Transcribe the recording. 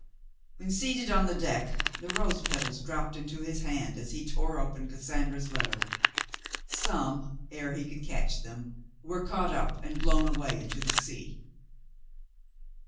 When seated on the deck, the rose petals dropped into his hand as he tore open Cassandra's letter. Some, ere he could catch them, were caught up and blown away into the sea.